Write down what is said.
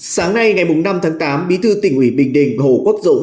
sáng nay ngày năm tháng tám bí thư tỉnh ủy bình định hồ quốc dũng